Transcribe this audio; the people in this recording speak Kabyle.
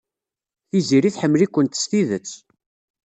Tiziri tḥemmel-ikent s tidet.